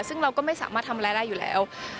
ซึ่งเราก็ไม่สามารถทำอะไรได้อยู่แล้ว